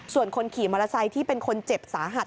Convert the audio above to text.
ส่วนคนขี่มอเตอร์ไซค์ที่เป็นคนเจ็บสาหัส